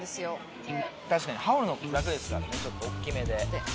確かに羽織るの楽ですからねちょっとおっきめで。